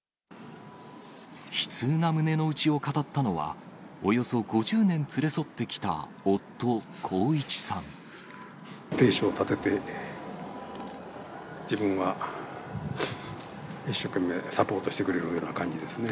悲痛な胸の内を語ったのは、およそ５０年連れ添ってきた夫、亭主を立てて、自分は一生懸命サポートしてくれるような感じですね。